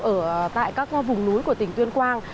ở tại các vùng núi của tỉnh tuyên quang